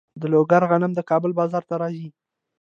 د لوګر غنم د کابل بازار ته راځي.